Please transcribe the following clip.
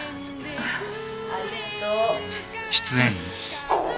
ありがとう。何や？